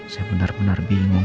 saya bener bener bingung belle